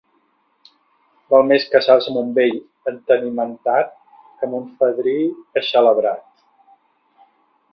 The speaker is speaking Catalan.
Val més casar-se amb un vell entenimentat que amb un fadrí eixelebrat.